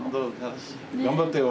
頑張ってよ。